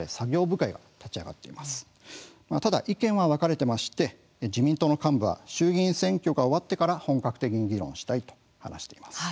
ただ意見は分かれていまして自民党の幹部は衆議院選挙が終わってから本格的に議論をしたいと話しています。